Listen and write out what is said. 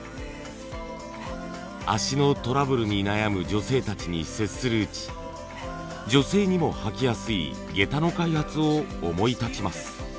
足のトラブルに悩む女性たちに接するうち女性にも履きやすい下駄の開発を思い立ちます。